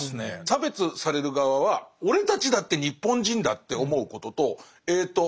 差別される側は俺たちだって日本人だって思うこととえっと